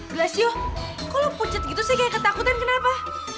glesio kok lo pucat gitu sih kayak ketakutan kenapa